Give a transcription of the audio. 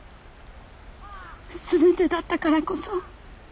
全てだったからこそ。